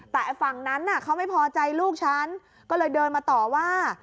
แต่ฝั่งนั้นเขาไม่พอใจลูกฉันก็เลยเดินมาต่อว่า